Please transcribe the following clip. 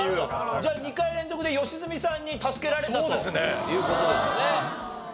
じゃあ２回連続で良純さんに助けられたという事ですね。